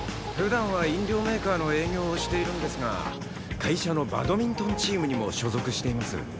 普段は飲料メーカーの営業をしているんですが会社のバドミントンチームにも所属しています。